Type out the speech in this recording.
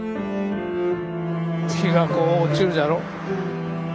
日がこう落ちるじゃろ。